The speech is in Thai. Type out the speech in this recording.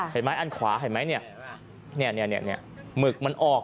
เห็นไหมอันขวาเห็นไหมมึกมันออก